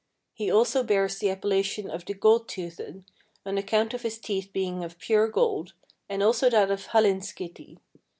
He also bears the appellation of the Gold toothed, on account of his teeth being of pure gold, and also that of Hallinskithi.